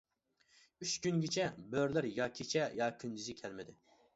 ئۈچ كۈنگىچە بۆرىلەر يا كېچە، يا كۈندۈزى كەلمىدى.